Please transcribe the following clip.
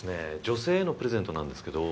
女性へのプレゼントなんですけど。